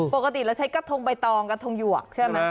ปกติเราใช้กระทงใบตองกระทงหยวกใช่ไหม